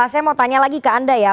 saya mau tanya lagi ke anda ya